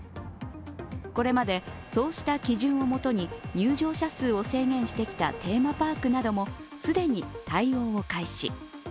これまで、そうした基準をもとに入場者数を制限してきたテーマパークなども既に対応を開始。